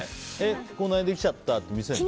口内炎できちゃったって見せてくるの？